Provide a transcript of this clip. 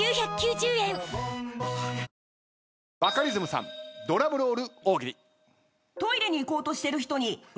バカリズムさんドラムロール大喜利。